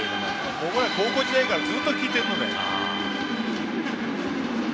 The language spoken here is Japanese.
僕らの高校時代からずっと聴いているので。